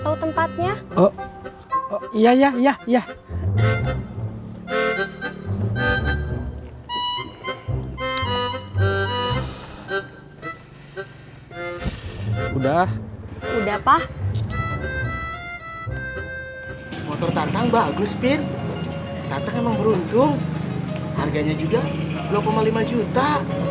udah udah pak motor tantang bagus pin katakan membutuhkan harganya juga dua puluh lima juta